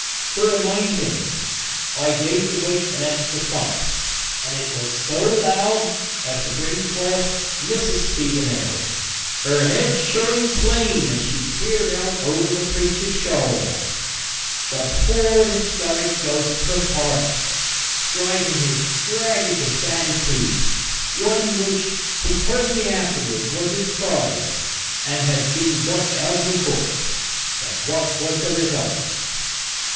To remind him I gave the weight an extra thump, and it was so loud as to bring forth Mrs. Spiegelnail, her head showing plain as she peered out over the preacher's shoulder. The poor discouraged ghost took heart, striking his tragicest attitude, one which he told me afterwards was his pride and had been got out of a book. But what was the result?